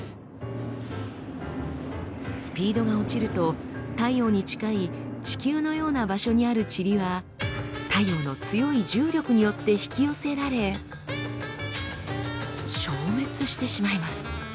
スピードが落ちると太陽に近い地球のような場所にあるチリは太陽の強い重力によって引き寄せられ消滅してしまいます。